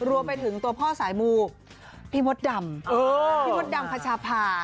รวมไปถึงตัวพ่อสายมูพี่มดดำพี่มดดำพชาภา